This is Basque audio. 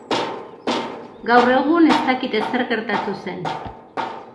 Gaur egun ez dakite zer gertatu zen.